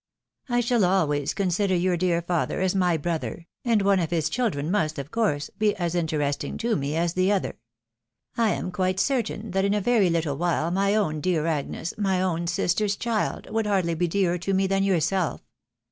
I shall always consider your dear father as my brother, and one of his children must, of course, be as interest ing to me as the other. I am quite certain that in a very little while my own dear Agnes, my own sister's child, would hardly be dearer to me than yourself!